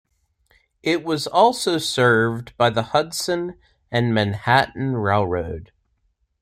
It was also served by the Hudson and Manhattan Railroad.